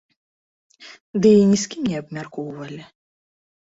Ды і ні з кім не абмяркоўвалі.